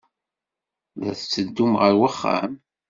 La tetteddum ɣer uxxam?